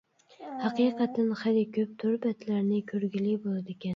ھەقىقەتەن خېلى كۆپ تور بەتلەرنى كۆرگىلى بولىدىكەن.